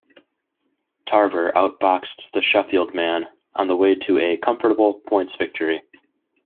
Tarver out-boxed the Sheffield man on the way to a comfortable points victory.